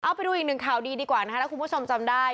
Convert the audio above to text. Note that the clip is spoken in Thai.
เอาไปดูอีกหนึ่งข่าวดีดีกว่านะคะถ้าคุณผู้ชมจำได้